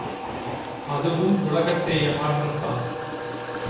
அதுவும் உலகத்தை ஏமாற்றத்தான்.